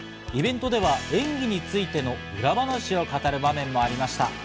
イベントでは演技についての裏話を語る場面もありました。